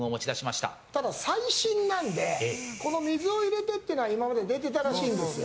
ただ最新なので水を入れてってものは今まで出てたらしいんですよ。